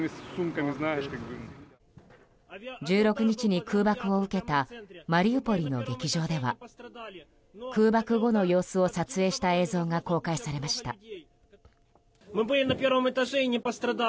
１６日に空爆を受けたマリウポリの劇場では空爆後の様子を撮影した映像が公開されました。